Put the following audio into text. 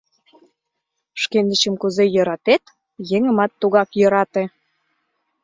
Шкендычым кузе йӧратет — еҥымат тугак йӧрате.